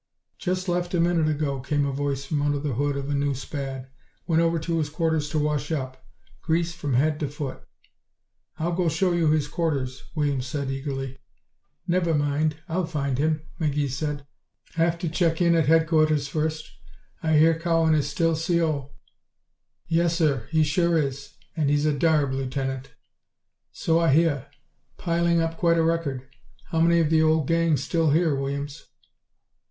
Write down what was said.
"Just left a minute ago," came a voice from under the hood of a new Spad. "Went over to his quarters to wash up. Grease from head to foot." "I'll go show you his quarters," Williams said, eagerly. "Never mind, I'll find him," McGee said. "Have to check in at headquarters first. I hear Cowan is still C.O." "Yes, sir. He sure is. And he's a darb, Lieutenant." "So I hear. Piling up quite a record. How many of the old gang still here, Williams?"